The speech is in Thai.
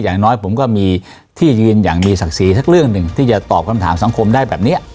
อย่างน้อยผมก็มีที่ยืนอย่างมีศักดิ์ศรีสักเรื่องหนึ่งที่จะตอบคำถามสังคมได้แบบนี้